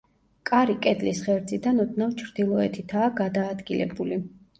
კარი კედლის ღერძიდან ოდნავ ჩრდილოეთითაა გადაადგილებული.